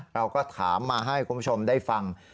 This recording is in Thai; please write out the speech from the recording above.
เราก็ถามมาให้คุณผู้ชมได้ฟัง